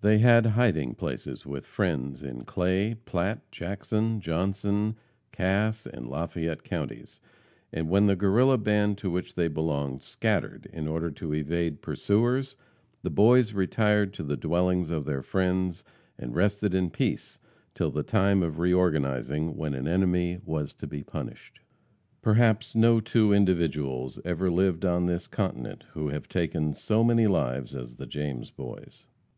They had hiding places with friends in Clay, Platte, Jackson, Johnson, Cass and Lafayette counties, and when the Guerrilla band to which they belonged scattered in order to evade pursuers, the Boys retired to the dwellings of their friends and rested in peace till the time of re organizing, when an enemy was to be punished. Perhaps no two individuals ever lived on this continent who have taken so many lives, as the James Boys.